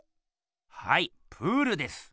はいプールです。